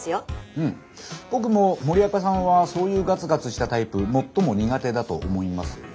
うん僕も森若さんはそういうガツガツしたタイプ最も苦手だと思いますよ。